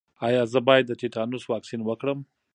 ایا زه باید د تیتانوس واکسین وکړم؟